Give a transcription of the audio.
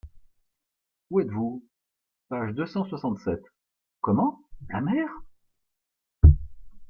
Où êtes-vous? page deux cent soixante-sept. — Comment! la mer !